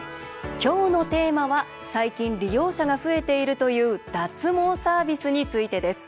今日のテーマは、最近利用者が増えているという脱毛サービスについてです。